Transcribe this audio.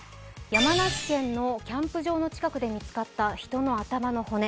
山梨県のキャンプ場の近くで見つかった人の頭の骨。